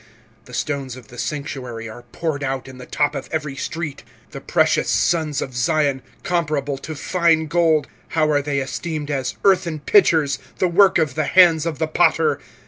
the stones of the sanctuary are poured out in the top of every street. 25:004:002 The precious sons of Zion, comparable to fine gold, how are they esteemed as earthen pitchers, the work of the hands of the potter!